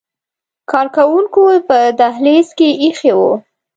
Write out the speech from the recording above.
کارکوونکو په دهلیز کې ایښي وو.